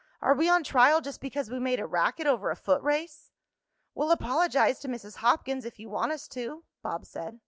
Are we on trial just because we made a racket over a foot race?" "We'll apologize to Mrs. Hopkins, if you want us to," Bob said.